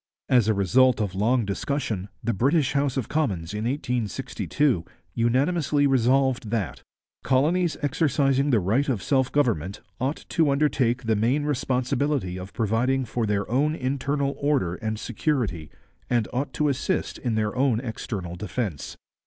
As a result of long discussion, the British House of Commons in 1862 unanimously resolved that 'colonies exercising the right of self government ought to undertake the main responsibility of providing for their own internal order and security and ought to assist in their own external defence.'